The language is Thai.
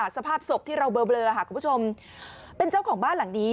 สภาพศพที่เราเบลอคุณผู้ชมเป็นเจ้าของบ้านหลังนี้